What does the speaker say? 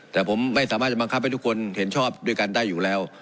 แต่ผมไม่สามารถจะบังคับให้ทุกคนเห็นชอบด้วยกันได้อยู่แล้ว